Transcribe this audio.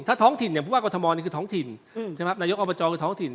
ถ้าท้องถิ่นอย่างพูดว่ากรทมนี่คือท้องถิ่นนายกอบจคือท้องถิ่น